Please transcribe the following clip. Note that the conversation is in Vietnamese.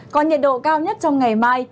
còn nhiệt độ cao nhất trong ngày mai